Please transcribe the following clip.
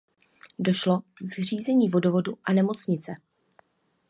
Došlo k zřízení vodovodu a nemocnice.